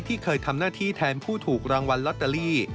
เคยทำหน้าที่แทนผู้ถูกรางวัลลอตเตอรี่